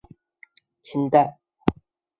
欧阳氏祠堂的历史年代为清代。